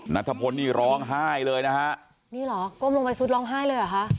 นัทพลนี่ร้องไห้เลยนะฮะนี่เหรอก้มลงไปซุดร้องไห้เลยเหรอคะ